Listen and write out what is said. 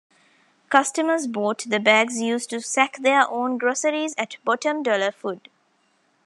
Customers bought the bags used to sack their own groceries at Bottom Dollar Food.